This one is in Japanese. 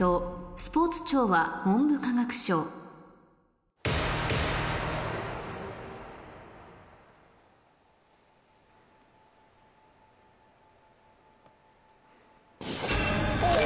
「スポーツ庁は文部科学省」おぉ！